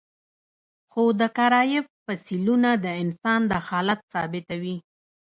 خو د کارایب فسیلونه د انسان دخالت ثابتوي.